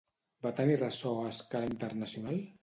Va tenir ressò a escala internacional?